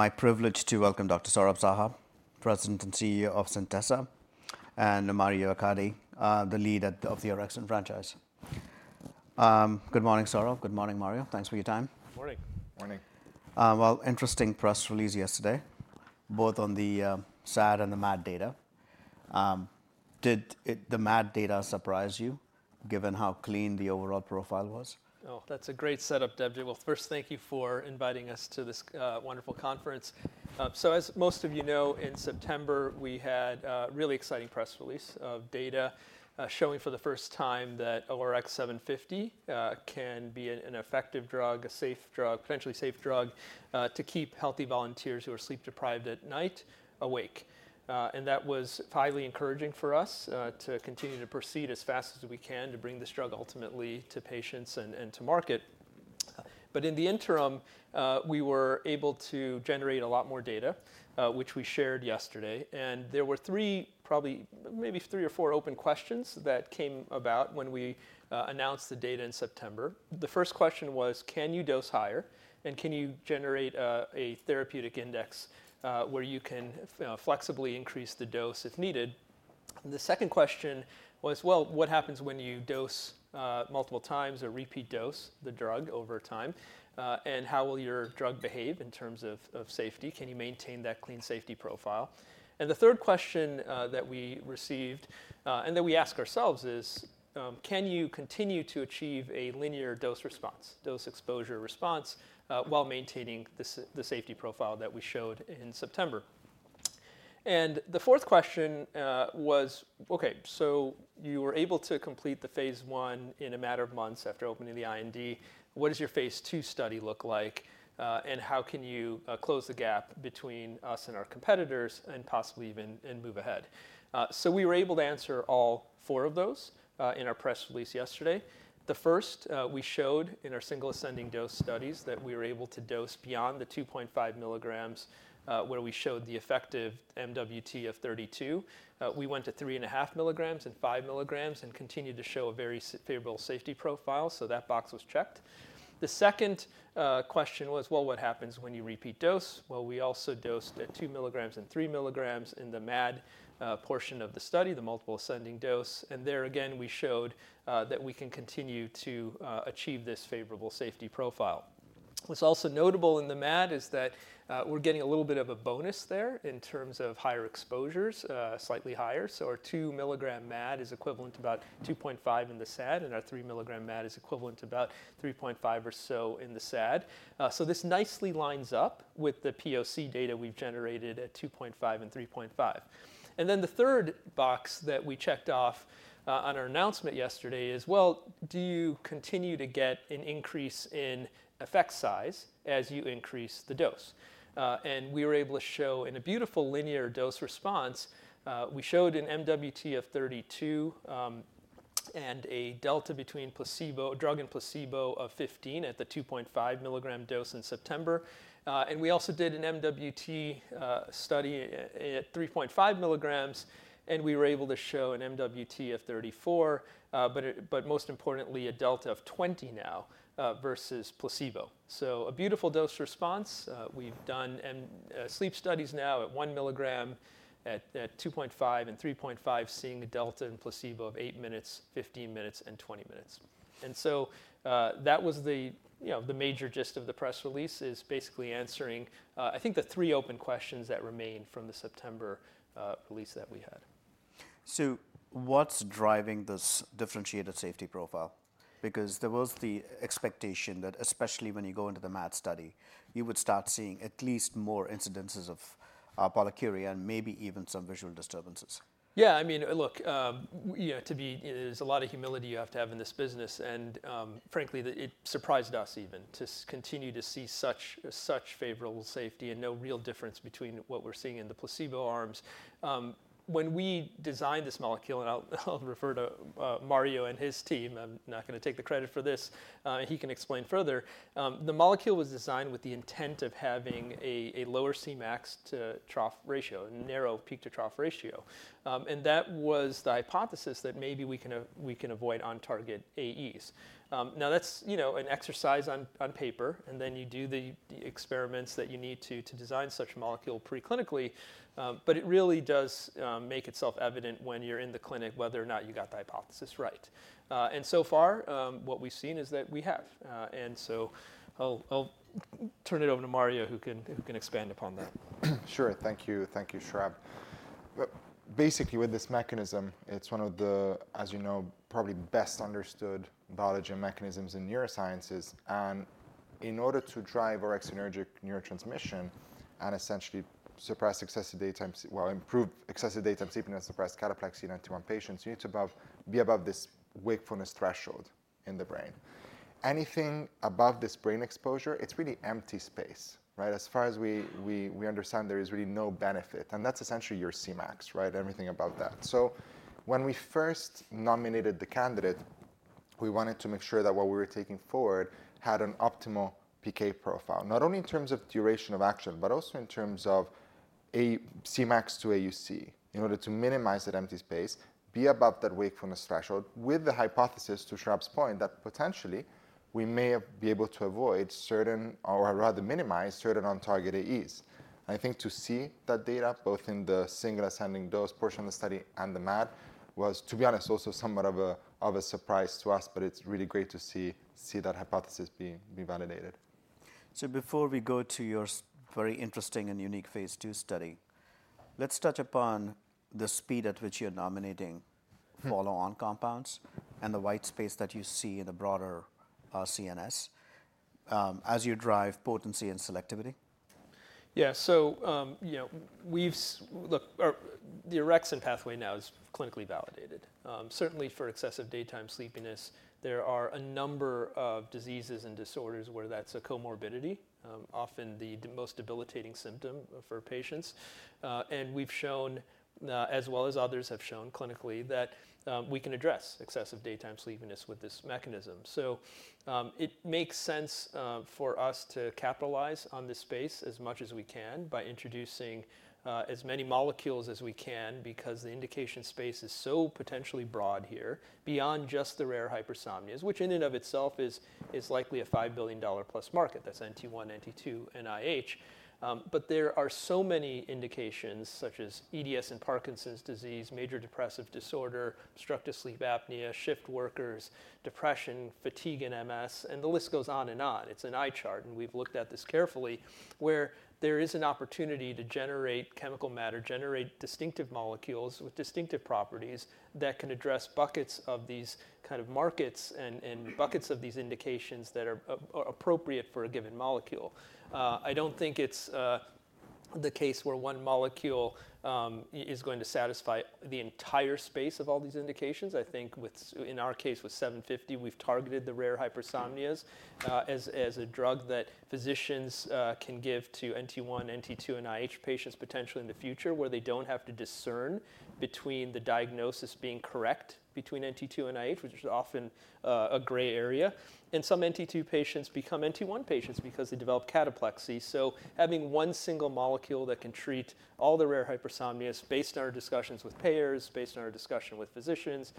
My privilege to welcome Dr. Saurabh Saha, President and CEO of Centessa, and Mario Accardi, the lead of the Orexin franchise. Good morning, Saurabh. Good morning, Mario. Thanks for your time. Morning. Morning. Interesting press release yesterday, both on the SAD and the MAD data. Did the MAD data surprise you, given how clean the overall profile was? Oh, that's a great setup, Debjit. Well, first, thank you for inviting us to this wonderful conference. So, as most of you know, in September, we had a really exciting press release of data showing for the first time that ORX750 can be an effective drug, a safe drug, potentially safe drug, to keep healthy volunteers who are sleep deprived at night awake. And that was highly encouraging for us to continue to proceed as fast as we can to bring this drug ultimately to patients and to market. But in the interim, we were able to generate a lot more data, which we shared yesterday. And there were three, probably maybe three or four open questions that came about when we announced the data in September. The first question was, can you dose higher? Can you generate a therapeutic index where you can flexibly increase the dose if needed? The second question was, well, what happens when you dose multiple times or repeat dose the drug over time? And how will your drug behave in terms of safety? Can you maintain that clean safety profile? The third question that we received, and that we ask ourselves, is, can you continue to achieve a linear dose response, dose exposure response, while maintaining the safety profile that we showed in September? The fourth question was, okay, so you were able to complete the phase I in a matter of months after opening the IND. What does your phase II study look like? How can you close the gap between us and our competitors and possibly even move ahead? So we were able to answer all four of those in our press release yesterday. The first, we showed in our single ascending dose studies that we were able to dose beyond the 2.5 mg, where we showed the effective MWT of 32. We went to 3.5 mg and 5 mg and continued to show a very favorable safety profile. So that box was checked. The second question was, well, what happens when you repeat dose? Well, we also dosed at 2 mg and 3 mg in the MAD portion of the study, the multiple ascending dose. And there, again, we showed that we can continue to achieve this favorable safety profile. What's also notable in the MAD is that we're getting a little bit of a bonus there in terms of higher exposures, slightly higher. So our 2 mg MAD is equivalent to about 2.5 mg in the SAD, and our 3 mg MAD is equivalent to about 3.5 mg or so in the SAD. So this nicely lines up with the POC data we've generated at 2.5 mg and 3.5 mg. And then the third box that we checked off on our announcement yesterday is, well, do you continue to get an increase in effect size as you increase the dose? And we were able to show in a beautiful linear dose response. We showed an MWT of 32 and a delta between drug and placebo of 15 at the 2.5 mg dose in September. And we also did an MWT study at 3.5 mg, and we were able to show an MWT of 34, but most importantly, a delta of 20 now versus placebo. So a beautiful dose response. We've done sleep studies now at 1 mg, at 2.5 mg and 3.5 mg, seeing a delta in placebo of eight minutes, 15 minutes, and 20 minutes. And so that was the major gist of the press release, is basically answering, I think, the three open questions that remain from the September release that we had. So what's driving this differentiated safety profile? Because there was the expectation that, especially when you go into the MAD study, you would start seeing at least more incidences of polyuria and maybe even some visual disturbances. Yeah, I mean, look, to be, there's a lot of humility you have to have in this business, and frankly, it surprised us even to continue to see such favorable safety and no real difference between what we're seeing in the placebo arms. When we designed this molecule, and I'll refer to Mario and his team, I'm not going to take the credit for this. He can explain further. The molecule was designed with the intent of having a lower Cmax to trough ratio, a narrow peak to trough ratio. And that was the hypothesis that maybe we can avoid on-target AEs. Now, that's an exercise on paper, and then you do the experiments that you need to design such a molecule preclinically. But it really does make itself evident when you're in the clinic whether or not you got the hypothesis right. And so far, what we've seen is that we have. And so I'll turn it over to Mario, who can expand upon that. Sure. Thank you, Saurabh. Basically, with this mechanism, it's one of the, as you know, probably best understood biology mechanisms in neuroscience. And in order to drive orexinergic neurotransmission and essentially suppress excessive daytime sleep, well, improve excessive daytime sleepiness, suppress cataplexy in NT1 patients, you need to be above this wakefulness threshold in the brain. Anything above this brain exposure, it's really empty space, right? As far as we understand, there is really no benefit. And that's essentially your Cmax, right? Everything above that. So when we first nominated the candidate, we wanted to make sure that what we were taking forward had an optimal PK profile, not only in terms of duration of action, but also in terms of a Cmax to AUC in order to minimize that empty space, be above that wakefulness threshold, with the hypothesis, to Saurabh's point, that potentially we may be able to avoid certain, or rather minimize, certain on-target AEs. I think to see that data, both in the single ascending dose portion of the study and the MAD, was, to be honest, also somewhat of a surprise to us. But it's really great to see that hypothesis being validated. Before we go to your very interesting and unique phase II study, let's touch upon the speed at which you're nominating follow-on compounds and the white space that you see in the broader CNS as you drive potency and selectivity. Yeah, so the Orexin pathway now is clinically validated. Certainly, for excessive daytime sleepiness, there are a number of diseases and disorders where that's a comorbidity, often the most debilitating symptom for patients, and we've shown, as well as others have shown clinically, that we can address excessive daytime sleepiness with this mechanism, so it makes sense for us to capitalize on this space as much as we can by introducing as many molecules as we can, because the indication space is so potentially broad here, beyond just the rare hypersomnias, which in and of itself is likely a $5+ billion market, that's NT1, NT2, IH, but there are so many indications, such as EDS and Parkinson's disease, major depressive disorder, obstructive sleep apnea, shift workers, depression, fatigue, and MS, and the list goes on and on. It's an eye chart, and we've looked at this carefully, where there is an opportunity to generate chemical matter, generate distinctive molecules with distinctive properties that can address buckets of these kind of markets and buckets of these indications that are appropriate for a given molecule. I don't think it's the case where one molecule is going to satisfy the entire space of all these indications. I think, in our case with 750, we've targeted the rare hypersomnias as a drug that physicians can give to NT1, NT2, and IH patients potentially in the future, where they don't have to discern between the diagnosis being correct between NT2 and IH, which is often a gray area. And some NT2 patients become NT1 patients because they develop cataplexy. So having one single molecule that can treat all the rare hypersomnias, based on our discussions with payers, based on our discussion with physicians,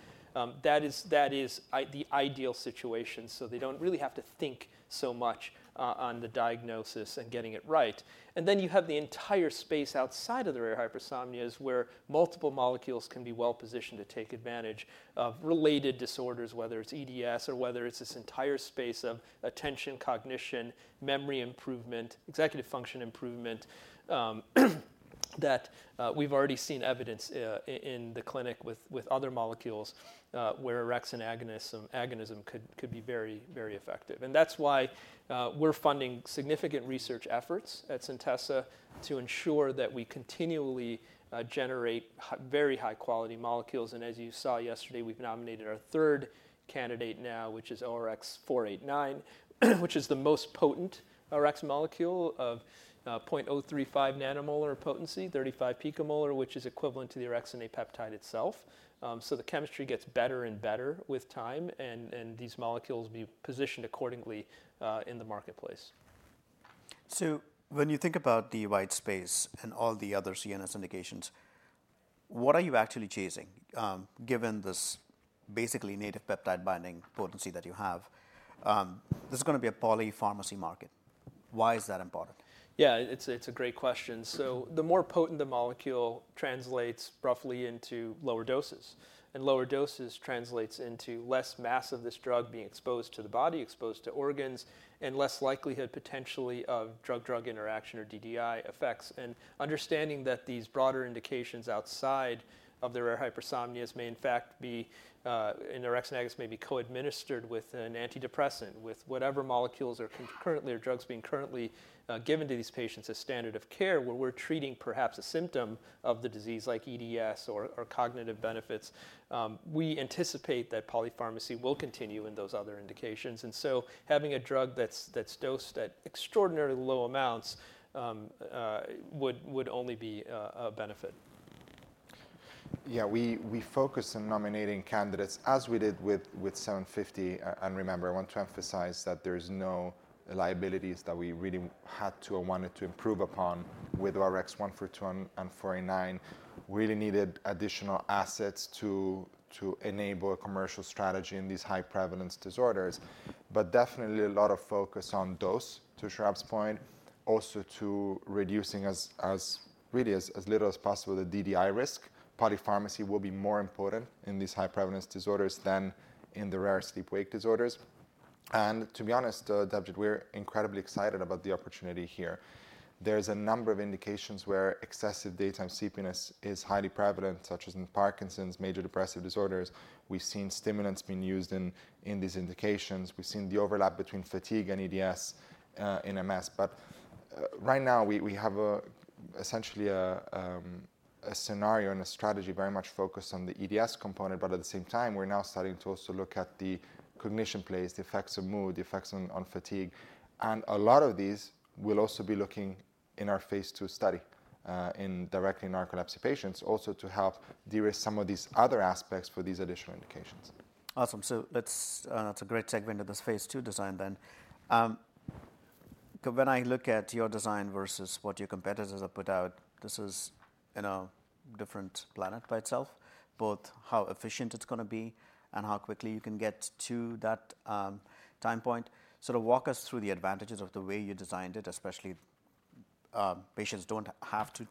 that is the ideal situation. So they don't really have to think so much on the diagnosis and getting it right. And then you have the entire space outside of the rare hypersomnias, where multiple molecules can be well positioned to take advantage of related disorders, whether it's EDS or whether it's this entire space of attention, cognition, memory improvement, executive function improvement, that we've already seen evidence in the clinic with other molecules where Orexin agonism could be very, very effective. And that's why we're funding significant research efforts at Centessa to ensure that we continually generate very high-quality molecules. And as you saw yesterday, we've nominated our third candidate now, which is ORX489, which is the most potent ORX molecule of 0.035 nM, 35 pM, which is equivalent to the Orexin A peptide itself. So the chemistry gets better and better with time, and these molecules will be positioned accordingly in the marketplace. So when you think about the white space and all the other CNS indications, what are you actually chasing, given this basically native peptide binding potency that you have? This is going to be a polypharmacy market. Why is that important? Yeah, it's a great question, so the more potent the molecule translates roughly into lower doses, and lower doses translates into less mass of this drug being exposed to the body, exposed to organs, and less likelihood potentially of drug-drug interaction or DDI effects. And understanding that these broader indications outside of the rare hypersomnias may, in fact, be in Orexin agonists may be co-administered with an antidepressant, with whatever molecules or drugs being currently given to these patients as standard of care, where we're treating perhaps a symptom of the disease like EDS or cognitive benefits, we anticipate that polypharmacy will continue in those other indications, and so having a drug that's dosed at extraordinarily low amounts would only be a benefit. Yeah, we focused on nominating candidates as we did with ORX750. And remember, I want to emphasize that there's no liabilities that we really had to or wanted to improve upon with ORX142 and ORX489. We really needed additional assets to enable a commercial strategy in these high prevalence disorders. But definitely a lot of focus on dose, to Saurabh's point, also to reducing as really as little as possible the DDI risk. Polypharmacy will be more important in these high prevalence disorders than in the rare sleep-wake disorders. And to be honest, we're incredibly excited about the opportunity here. There's a number of indications where excessive daytime sleepiness is highly prevalent, such as in Parkinson's, major depressive disorders. We've seen stimulants being used in these indications. We've seen the overlap between fatigue and EDS in MS. But right now, we have essentially a scenario and a strategy very much focused on the EDS component. But at the same time, we're now starting to also look at the cognition plays, the effects of mood, the effects on fatigue. And a lot of these will also be looking in our phase II study directly in narcolepsy patients, also to help de-risk some of these other aspects for these additional indications. Awesome. So that's a great segment of this phase II design then. When I look at your design versus what your competitors have put out, this is a different planet by itself, both how efficient it's going to be and how quickly you can get to that time point. So walk us through the advantages of the way you designed it, especially patients don't have to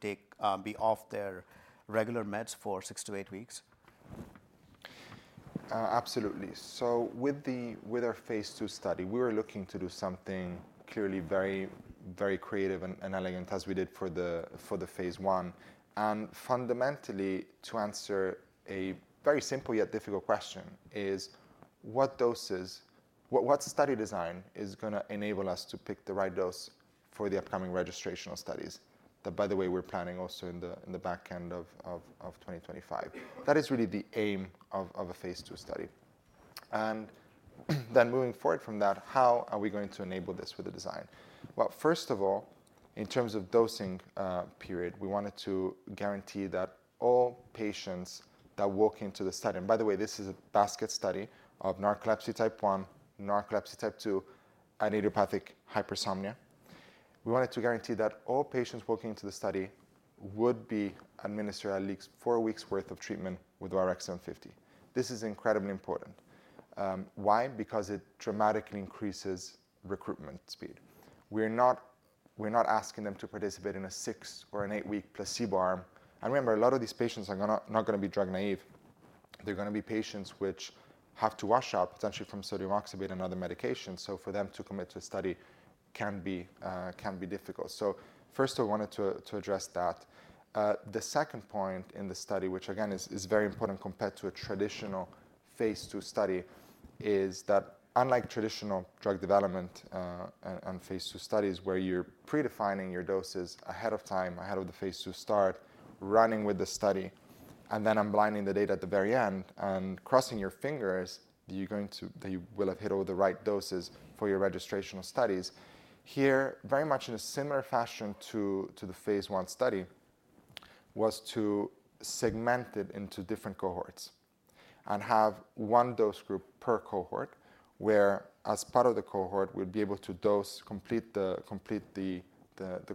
be off their regular meds for six to eight weeks. Absolutely, so with our phase II study, we were looking to do something clearly very, very creative and elegant, as we did for the phase I, and fundamentally, to answer a very simple yet difficult question, is what study design is going to enable us to pick the right dose for the upcoming registrational studies that, by the way, we're planning also in the back end of 2025. That is really the aim of a phase II study, and then moving forward from that, how are we going to enable this with the design, well, first of all, in terms of dosing period, we wanted to guarantee that all patients that walk into the study and by the way, this is a basket study of narcolepsy type 1, narcolepsy type 2, and idiopathic hypersomnia. We wanted to guarantee that all patients walking into the study would be administered at least four weeks' worth of treatment with ORX750. This is incredibly important. Why? Because it dramatically increases recruitment speed. We're not asking them to participate in a six or an eight-week placebo arm. And remember, a lot of these patients are not going to be drug naive. They're going to be patients which have to wash out potentially from sodium oxybate and other medications. So for them to commit to a study can be difficult. So first, I wanted to address that. The second point in the study, which again is very important compared to a traditional phase II study, is that unlike traditional drug development and phase II studies, where you're pre-defining your doses ahead of time, ahead of the phase II start, running with the study, and then unblinding the data at the very end and crossing your fingers that you will have hit all the right doses for your registrational studies, here, very much in a similar fashion to the phase 1 study, was to segment it into different cohorts and have one dose group per cohort, where as part of the cohort, we'd be able to complete the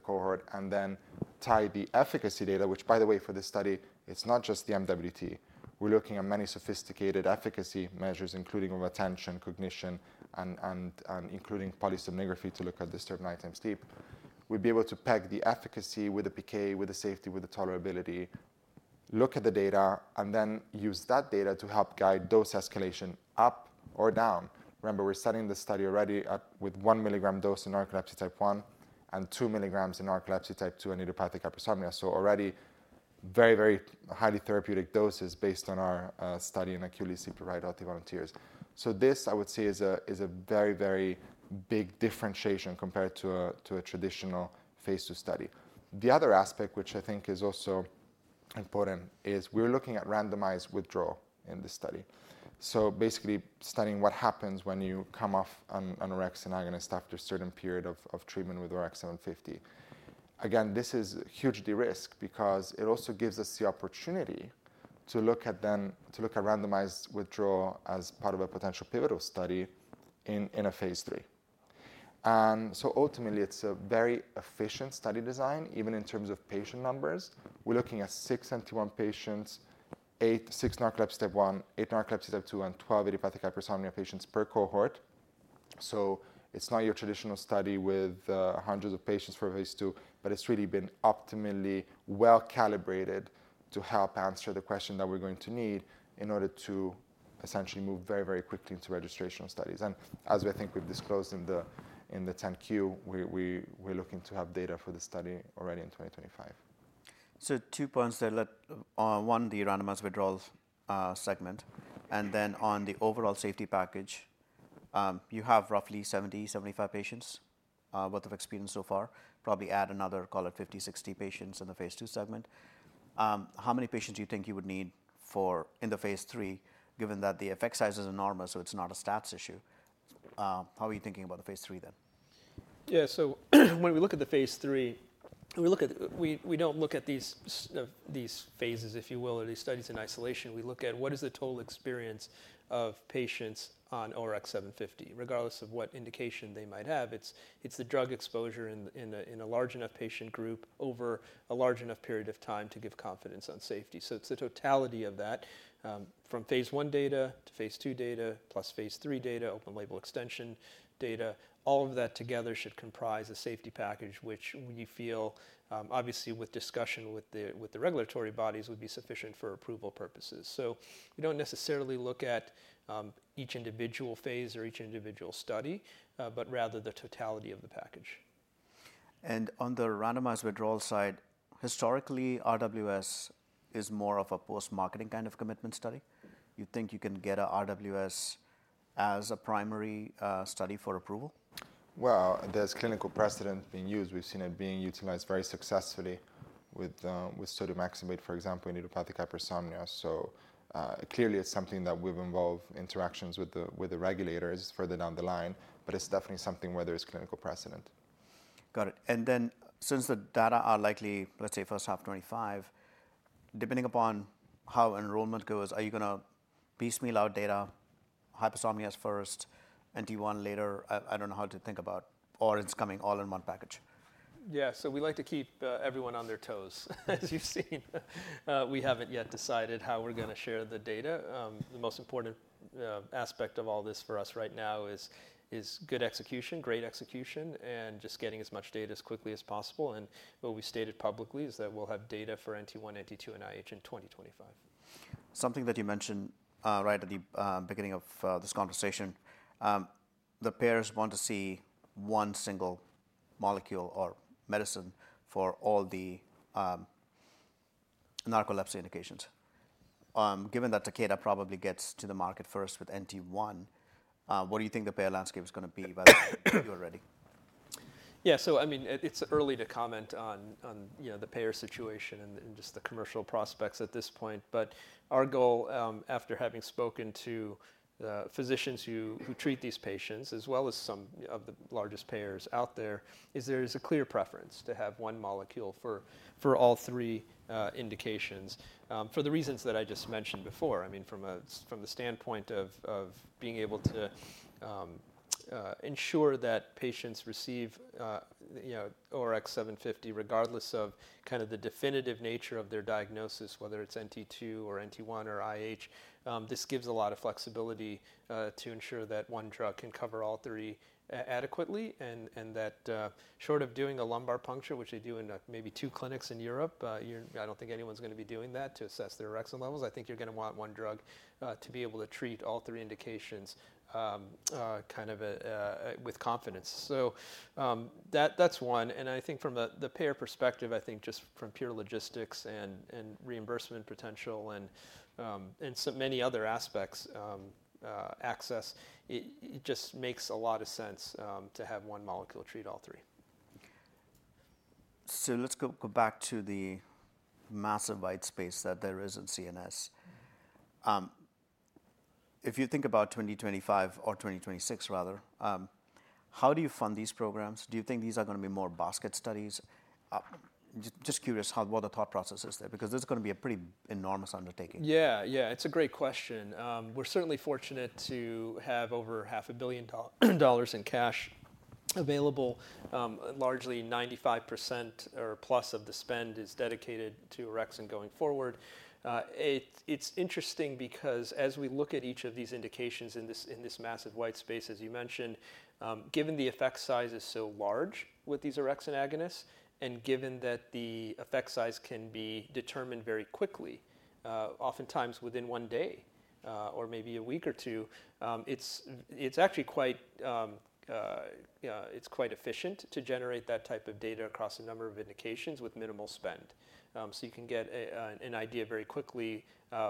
cohort and then tie the efficacy data, which, by the way, for this study, it's not just the MWT. We're looking at many sophisticated efficacy measures, including attention, cognition, and including polysomnography to look at disturbed nighttime sleep. We'd be able to peg the efficacy with the PK, with the safety, with the tolerability, look at the data, and then use that data to help guide dose escalation up or down. Remember, we're studying the study already with one mg dose in narcolepsy type 1 and 2 mg in narcolepsy type 2 and idiopathic hypersomnia. So already very, very highly therapeutic doses based on our study and accuracy provided to volunteers. So this, I would say, is a very, very big differentiation compared to a traditional phase II study. The other aspect, which I think is also important, is we're looking at randomized withdrawal in this study. So basically studying what happens when you come off an Orexin agonist after a certain period of treatment with ORX750. Again, this is hugely risky because it also gives us the opportunity to look at randomized withdrawal as part of a potential pivotal study in a phase III. And so ultimately, it's a very efficient study design, even in terms of patient numbers. We're looking at six NT1 patients, six narcolepsy type 1, eight narcolepsy type 2, and 12 idiopathic hypersomnia patients per cohort. So it's not your traditional study with hundreds of patients for phase II, but it's really been optimally well calibrated to help answer the question that we're going to need in order to essentially move very, very quickly into registrational studies. And as I think we've disclosed in the 10-Q, we're looking to have data for the study already in 2025. Two points there. One, the randomized withdrawal segment. And then on the overall safety package, you have roughly 70 patients-75 patients' worth of experience so far. Probably add another, call it 50 patients-60 patients in the phase II segment. How many patients do you think you would need in the phase III, given that the effect size is enormous, so it's not a stats issue? How are you thinking about the phase III then? Yeah, so when we look at the phase three, we don't look at these phases, if you will, or these studies in isolation. We look at what is the total experience of patients on ORX750, regardless of what indication they might have. It's the drug exposure in a large enough patient group over a large enough period of time to give confidence on safety. So it's the totality of that. From phase I data to phase II data, plus phase III data, open label extension data, all of that together should comprise a safety package, which we feel, obviously with discussion with the regulatory bodies, would be sufficient for approval purposes. So we don't necessarily look at each individual phase or each individual study, but rather the totality of the package. On the randomized withdrawal side, historically, RWS is more of a post-marketing kind of commitment study. You think you can get an RWS as a primary study for approval? There's clinical precedent being used. We've seen it being utilized very successfully with sodium oxybate, for example, in idiopathic hypersomnia. So clearly, it's something that we've had interactions with the regulators further down the line, but it's definitely something where there's clinical precedent. Got it. And then since the data are likely, let's say, first half 2025, depending upon how enrollment goes, are you going to piecemeal out data, hypersomnia first, NT1 later? I don't know how to think about. Or it's coming all in one package? Yeah, so we like to keep everyone on their toes, as you've seen. We haven't yet decided how we're going to share the data. The most important aspect of all this for us right now is good execution, great execution, and just getting as much data as quickly as possible. And what we stated publicly is that we'll have data for NT1, NT2, and IH in 2025. Something that you mentioned right at the beginning of this conversation, the payers want to see one single molecule or medicine for all the narcolepsy indications. Given that Takeda probably gets to the market first with NT1, what do you think the payer landscape is going to be by the time you're ready? Yeah, so I mean, it's early to comment on the payer situation and just the commercial prospects at this point. But our goal, after having spoken to physicians who treat these patients, as well as some of the largest payers out there, is there is a clear preference to have one molecule for all three indications for the reasons that I just mentioned before. I mean, from the standpoint of being able to ensure that patients receive ORX750, regardless of kind of the definitive nature of their diagnosis, whether it's NT2 or NT1 or IH, this gives a lot of flexibility to ensure that one drug can cover all three adequately and that short of doing a lumbar puncture, which they do in maybe two clinics in Europe, I don't think anyone's going to be doing that to assess their Orexin levels. I think you're going to want one drug to be able to treat all three indications kind of with confidence. So that's one, and I think from the payer perspective, I think just from pure logistics and reimbursement potential and many other aspects, access, it just makes a lot of sense to have one molecule treat all three. Let's go back to the massive white space that there is at CNS. If you think about 2025 or 2026, rather, how do you fund these programs? Do you think these are going to be more basket studies? Just curious what the thought process is there, because this is going to be a pretty enormous undertaking. Yeah, yeah, it's a great question. We're certainly fortunate to have over $500 million in cash available. Largely, 95% or plus of the spend is dedicated to ORX and going forward. It's interesting because as we look at each of these indications in this massive white space, as you mentioned, given the effect size is so large with these Orexin agonists and given that the effect size can be determined very quickly, oftentimes within one day or maybe a week or two, it's actually quite efficient to generate that type of data across a number of indications with minimal spend. So you can get an idea very quickly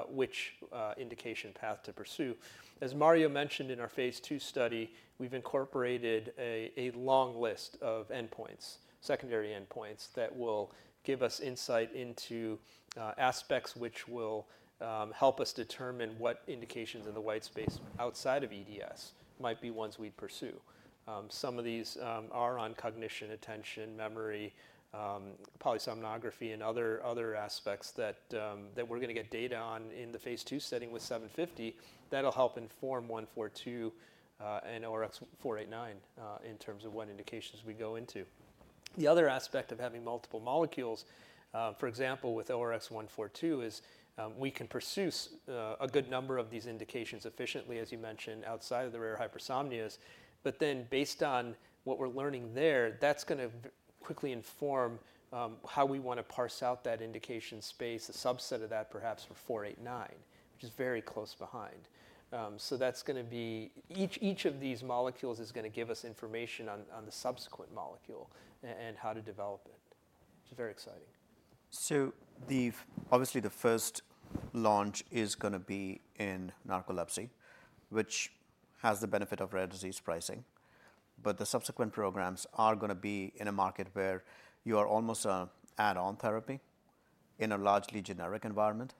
which indication path to pursue. As Mario mentioned in our phase II study, we've incorporated a long list of endpoints, secondary endpoints that will give us insight into aspects which will help us determine what indications in the white space outside of EDS might be ones we'd pursue. Some of these are on cognition, attention, memory, polysomnography, and other aspects that we're going to get data on in the phase II setting with 750. That'll help inform 142 and ORX489 in terms of what indications we go into. The other aspect of having multiple molecules, for example, with ORX142, is we can pursue a good number of these indications efficiently, as you mentioned, outside of the rare hypersomnias. But then based on what we're learning there, that's going to quickly inform how we want to parse out that indication space, a subset of that perhaps for 489, which is very close behind. So that's going to be each of these molecules is going to give us information on the subsequent molecule and how to develop it, which is very exciting. So obviously, the first launch is going to be in narcolepsy, which has the benefit of rare disease pricing. But the subsequent programs are going to be in a market where you are almost an add-on therapy in a largely generic environment.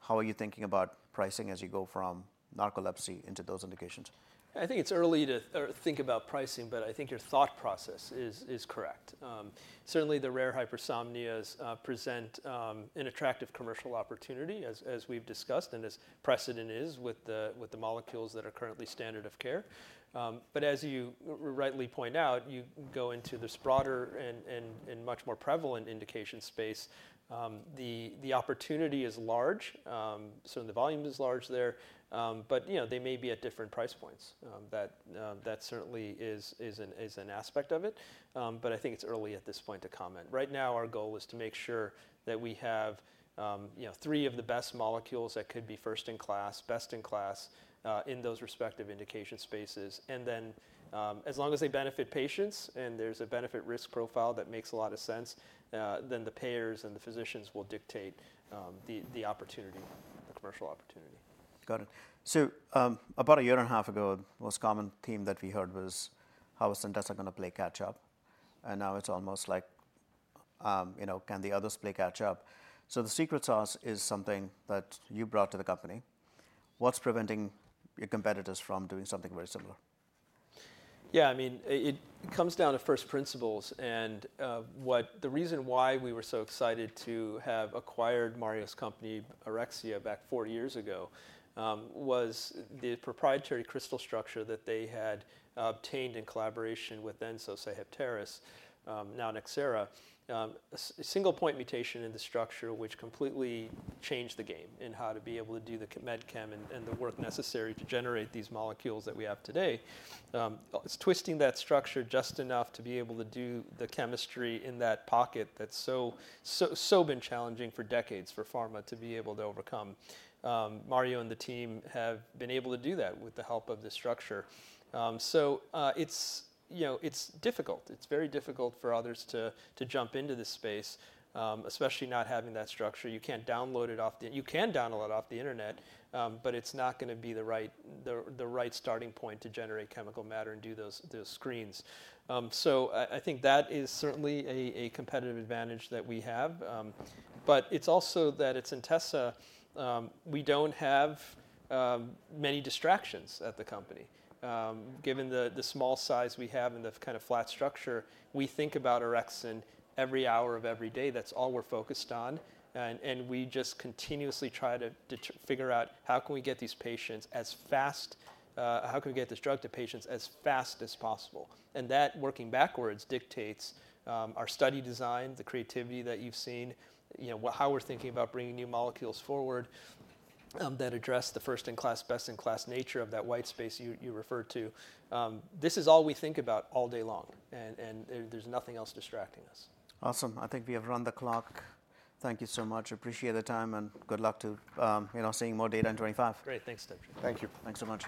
How are you thinking about pricing as you go from narcolepsy into those indications? I think it's early to think about pricing, but I think your thought process is correct. Certainly, the rare hypersomnias present an attractive commercial opportunity, as we've discussed, and as precedent is with the molecules that are currently standard of care. But as you rightly point out, you go into this broader and much more prevalent indication space. The opportunity is large. Certainly, the volume is large there. But they may be at different price points. That certainly is an aspect of it. But I think it's early at this point to comment. Right now, our goal is to make sure that we have three of the best molecules that could be first in class, best in class in those respective indication spaces. And then as long as they benefit patients and there's a benefit-risk profile that makes a lot of sense, then the payers and the physicians will dictate the opportunity, the commercial opportunity. Got it. So about a year and a half ago, the most common theme that we heard was, how is Centessa going to play catch-up? And now it's almost like, can the others play catch-up? So the secret sauce is something that you brought to the company. What's preventing your competitors from doing something very similar? Yeah, I mean, it comes down to first principles. And the reason why we were so excited to have acquired Mario's company, Orexia, back four years ago was the proprietary crystal structure that they had obtained in collaboration with Sosei Heptares, now Nxera, a single-point mutation in the structure which completely changed the game in how to be able to do the med chem and the work necessary to generate these molecules that we have today. It's twisting that structure just enough to be able to do the chemistry in that pocket that's so been challenging for decades for pharma to be able to overcome. Mario and the team have been able to do that with the help of this structure. So it's difficult. It's very difficult for others to jump into this space, especially not having that structure. You can't download it off the internet, but you can download it off the internet, but it's not going to be the right starting point to generate chemical matter and do those screens. So I think that is certainly a competitive advantage that we have. But it's also that at Centessa, we don't have many distractions at the company. Given the small size we have and the kind of flat structure, we think about Orexin every hour of every day. That's all we're focused on. And we just continuously try to figure out how can we get these patients as fast, how can we get this drug to patients as fast as possible. And that working backwards dictates our study design, the creativity that you've seen, how we're thinking about bringing new molecules forward that address the first-in-class, best-in-class nature of that white space you referred to. This is all we think about all day long, and there's nothing else distracting us. Awesome. I think we have run the clock. Thank you so much. Appreciate the time, and good luck to seeing more data in 2025. Great. Thanks, Debjit. Thank you. Thanks so much.